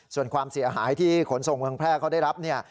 ส่วนความเสียหายที่ขนส่งเมืองแพร่เขาได้รับเนี่ย